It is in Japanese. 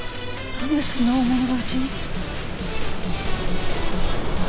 何でそんな大物がうちに？